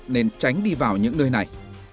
nên tránh đi vào những nơi này